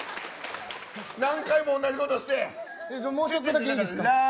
何回も同じことして。